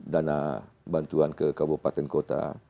dana bantuan ke kabupaten kota